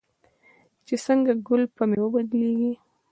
چې څنګه ګل په میوه بدلیږي.